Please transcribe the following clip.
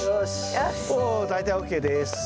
お大体ＯＫです。